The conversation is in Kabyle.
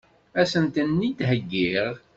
Ad sent-ten-id-heggiɣ?